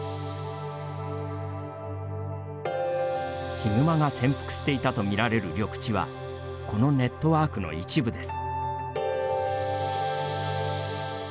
ヒグマが潜伏していたとみられる緑地はこのネットワークの一部です。